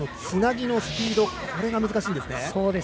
つなぎのスピードが難しいんですね。